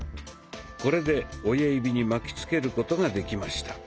これで親指に巻きつけることができました。